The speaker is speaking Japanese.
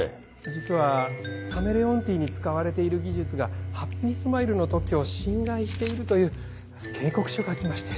実はカメレオンティーに使われている技術がハッピースマイルの特許を侵害しているという警告書が来まして。